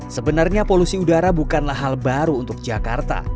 sebenarnya polusi udara bukanlah hal baru untuk jakarta